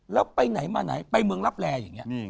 แล้วไปไหนมาไหนไปเมืองรับแร่อย่างนี้